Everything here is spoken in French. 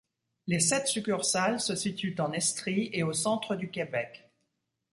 Les sept succursales se situent en Estrie et au Centre-du-Québec.